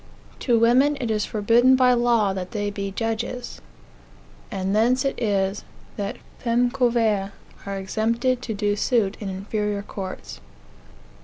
To women it is forbidden by law that they be judges; and thence it is, that feme coverts are exempted to do suit in inferior courts.